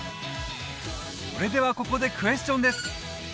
それではここでクエスチョンです